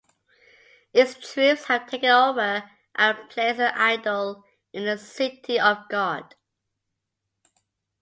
Its troops have taken over and placed an idol in the city of God.